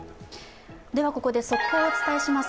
ここで速報をお伝えします。